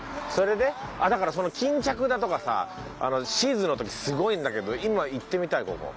それであっだからその「巾着田」とかさシーズンの時すごいんだけど今行ってみたいここ。